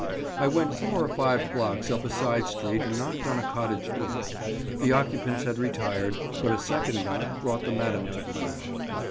I went four or five blocks up a side street and knocked on a cottage door. The occupants had retired, but a second knock brought the madam to the door.